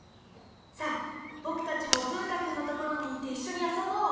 さあぼくたちもブー太くんのところにいっていっしょにあそぼう！